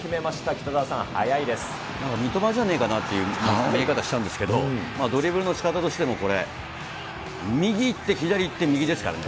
北澤さん、三笘じゃねえかなっていう言い方しちゃうんですけれども、ドリブルのしかたとしても、右行って左行って右ですからね。